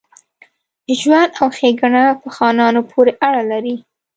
ژوند او ښېګڼه په خانانو پوري اړه لري.